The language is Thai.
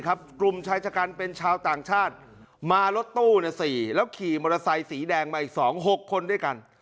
กลุ่มชายชะกันเป็นชาวต่างชาติมารถตู้๔แล้วขี่มอเตอร์ไซค์สีแดงมาอีก๒๖คนด้วยกัน